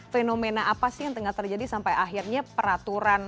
fenomena apa sih yang tengah terjadi sampai akhirnya peraturan